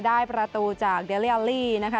ได้ประตูจากเดลีอัลลี่นะคะ